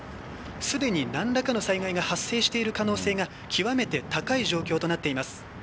すでに何らかの災害が発生している可能性が極めて高い状況となっています。